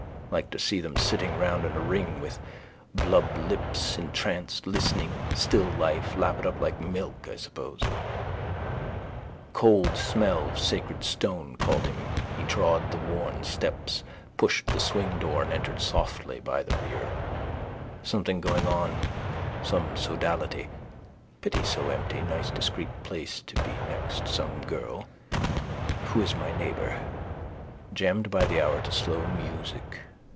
Like to see them sitting round in a ring with blub lips, entranced, listening. Still life. Lap it up like milk, I suppose. The cold smell of sacred stone called him. He trod the worn steps, pushed the swingdoor and entered softly by the rere. Something going on: some sodality. Pity so empty. Nice discreet place to be next some girl. Who is my neighbour? Jammed by the hour to slow music.